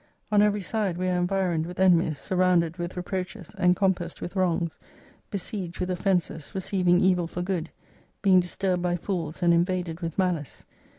On every side we are environed with enemies, surrounded with reproaches, encom passed with wrongs, besieged with offences, receiving evil for good, being disturbed by fools, and invaded with malice.